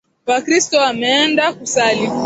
Wakristo wameenda kusali